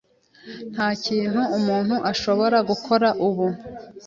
Nta kintu umuntu ashobora gukora ubu.